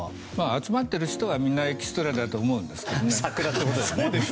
集まっている人はみんなエキストラだと思います。